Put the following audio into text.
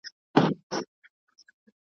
کوچۍ ښکلې به ور اخلي .